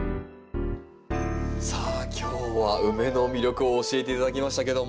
さあ今日はウメの魅力を教えて頂きましたけども。